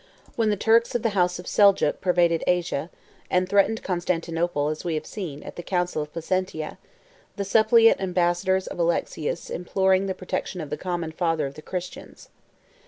When the Turks of the house of Seljuk pervaded Asia, and threatened Constantinople, we have seen, at the council of Placentia, the suppliant ambassadors of Alexius imploring the protection of the common father of the Christians.